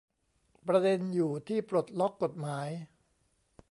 ประเด็นอยู่ที่ปลดล็อคกฎหมาย